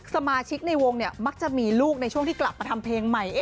สมาชิกในวงเนี่ยมักจะมีลูกในช่วงที่กลับมาทำเพลงใหม่